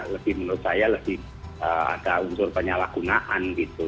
lebih menurut saya lebih ada unsur penyalahgunaan gitu